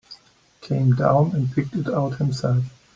Came down and picked it out himself.